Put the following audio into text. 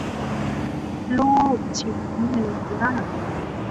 ลูกชิ้นเนื้อ